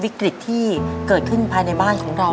วิกฤตที่เกิดขึ้นภายในบ้านของเรา